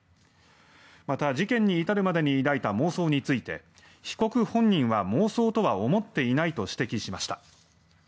また、事件に至るまでに抱いた妄想について被告本人は妄想とは思っていないと指摘しました。